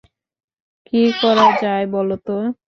কী করা যায় বল তো?